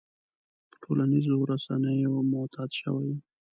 په ټولنيزو رسنيو معتاد شوی يم.